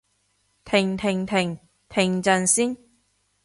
停停停！停陣先